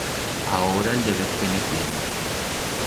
Aora el debez tener plen.